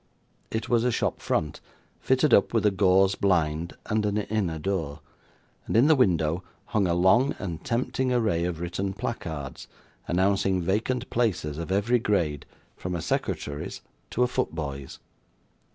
It was a shop front, fitted up with a gauze blind and an inner door; and in the window hung a long and tempting array of written placards, announcing vacant places of every grade, from a secretary's to a foot boy's.